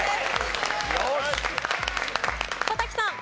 小瀧さん。